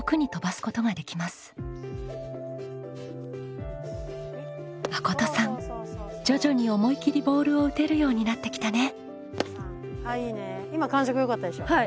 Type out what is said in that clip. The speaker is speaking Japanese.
まことさん徐々に思い切りボールを打てるようになってきたね。